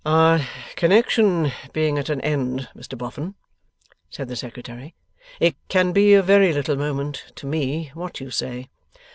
'Our connexion being at an end, Mr Boffin,' said the Secretary, 'it can be of very little moment to me what you say.